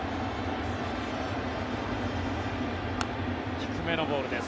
低めのボールです。